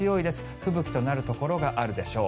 吹雪となるところがあるでしょう。